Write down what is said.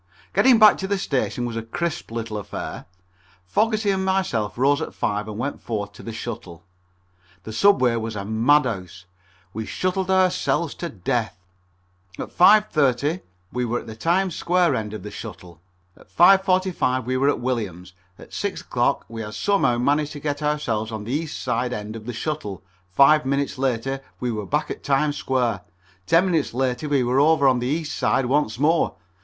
Getting back to the station was a crisp little affair. Fogerty and myself rose at five and went forth to the shuttle. The subway was a madhouse. We shuttled ourselves to death. At 5.30 we were at the Times Square end of the shuttle, at 5.45 we were at Williams, at 6 o'clock we had somehow managed to get ourselves on the east side end of the shuttle, five minutes later we were back at Times Square, ten minutes later we were over on the east side once more.